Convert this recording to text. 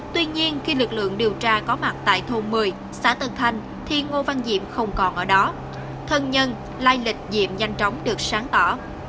tuy nhiên khi lực lượng điều tra có mặt tại thôn một mươi xã tân thanh thì ngô văn diệm không còn ở đó thân nhân lai lịch diệm nhanh chóng được sáng tỏ